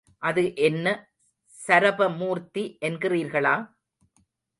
அது என்ன சரபமூர்த்தி என்கிறீர்களா?